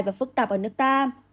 và phức tạp ở nước ta